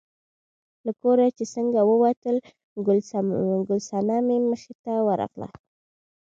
له کوره چې څنګه ووتل، ګل صنمې مخې ته ورغله.